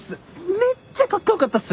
めっちゃカッコ良かったっす。